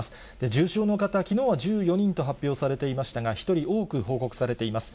重症の方、きのうは１４人と発表されていましたが、１人多く報告されています。